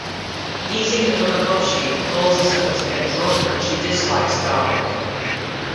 Eating umeboshi causes her to get drunk and she dislikes garlic.